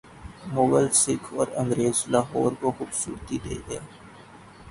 مغل، سکھ اور انگریز لاہور کو خوبصورتی دے گئے۔